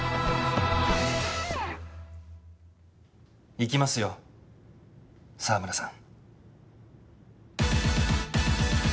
行きますよ澤村さん。